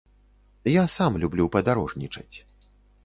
Я сам люблю падарожнічаць.